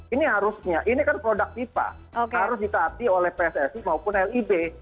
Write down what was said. ini harusnya ini kan produk fifa harus diterapi oleh psrc maupun lib